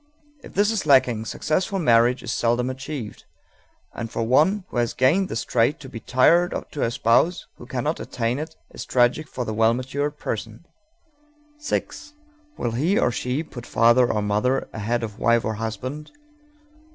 If this is lacking, successful marriage is seldom achieved, and for one who has gained this trait to be tied to a spouse who cannot attain it is tragic for the well matured person. _6. Will he, or she, put father or mother ahead of wife or husband?